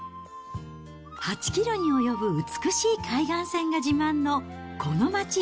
８キロに及ぶ美しい海岸線が自慢のこの街。